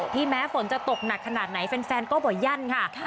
ที่แม้ฝนจะตกหนักขนาดไหนแฟนแฟนก็บ่ยั่นค่ะค่ะ